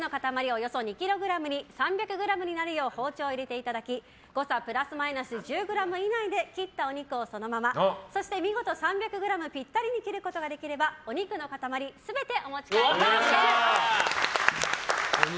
およそ２ｋｇに３００ｇになるよう包丁を入れていただき誤差プラスマイナス１０ｇ以内で切ったお肉をそのままそして、見事３００ｇぴったりに切ることができればお肉の塊全てお持ち帰りいただけます。